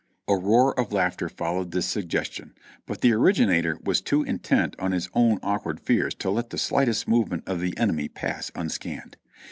A roar of laughter followed this suggestion, but the originator was too intent on his own awakened fears to let the slightest movement of the enemy pass unscanned.